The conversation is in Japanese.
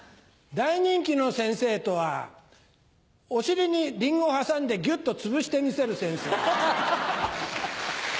大人気の先生とはお尻にリンゴを挟んでギュっとつぶしてみせる先生。